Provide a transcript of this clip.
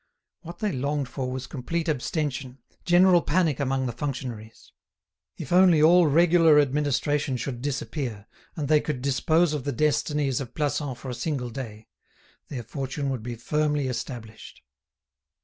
What they longed for was complete abstention, general panic among the functionaries. If only all regular administration should disappear, and they could dispose of the destinies of Plassans for a single day, their fortune would be firmly established.